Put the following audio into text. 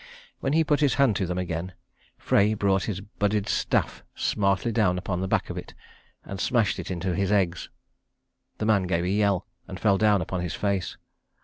When he put his hand to them again Frey brought his budded staff smartly down upon the back of it, and smashed it into his eggs. The man gave a yell, and fell down upon his face.